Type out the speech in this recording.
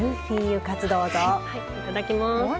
いただきます。